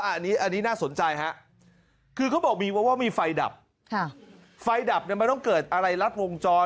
อันนี้น่าสนใจฮะคือเขาบอกมีว่ามีไฟดับไฟดับเนี่ยมันต้องเกิดอะไรรัดวงจร